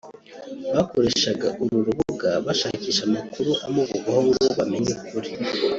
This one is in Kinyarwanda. bakoreshaga uru rubuga bashakisha amakuru amuvugwaho ngo bamenye ukuri